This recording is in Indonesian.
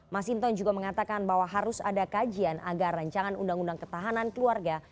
masinton juga mengatakan bahwa harus ada kajian agar rancangan undang undang ketahanan keluarga